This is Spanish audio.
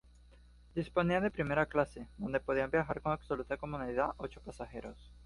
Disponía de primera clase, donde podían viajar con absoluta comodidad ocho pasajeros.